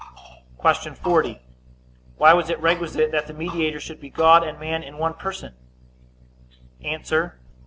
Q. 40. Why was it requisite that the mediator should be God and man in one person?